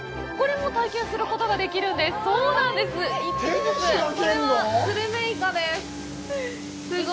これも体験することができるんです！